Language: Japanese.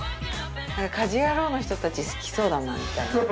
家事ヤロウの人たち好きそうだなみたいな。